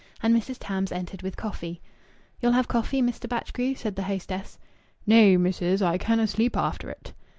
And Mrs. Tams entered with coffee. "You'll have coffee, Mr. Batchgrew?" said the hostess. "Nay, missis! I canna' sleep after it."